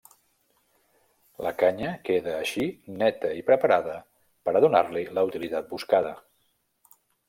La canya queda així neta i preparada per a donar-li la utilitat buscada.